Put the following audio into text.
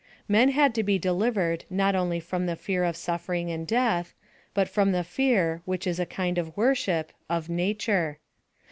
Men had to be delivered not only from the fear of suffering and death, but from the fear, which is a kind of worship, of nature.